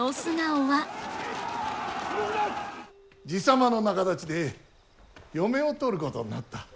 爺様の仲立ちで嫁を取ることになった。